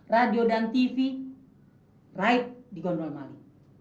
radio dan tv ride di gondol mali